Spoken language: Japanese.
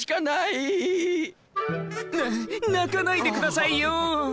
な泣かないで下さいよ。